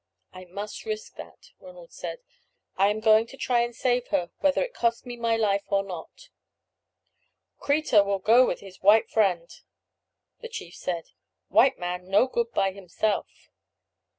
"I must risk that," Ronald said; "I am going to try and save her, whether it costs me my life or not." "Kreta will go with his white friend," the chief said; "white man no good by himself."